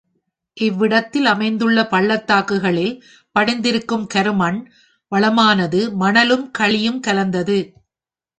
இவ்விடத்தில் அமைந்துள்ள பள்ளத் தாக்குகளில் படிந்திருக்கும் கருமண் வளமானது மணலும் களியும் கலந்தது.